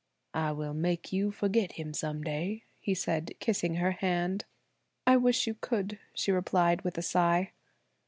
"I will make you forget him some day," he said, kissing her hand. "I wish you could," she replied with a sigh.